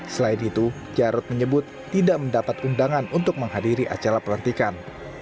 selain itu jarod menyebut tidak mendapat undangan untuk menghadiri acara pelantikan